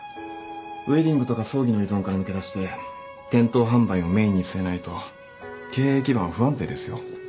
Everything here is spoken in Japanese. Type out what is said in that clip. ウエディングとか葬儀の依存から抜け出して店頭販売をメインに据えないと経営基盤は不安定ですよ。